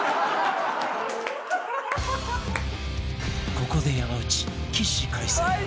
ここで山内起死回生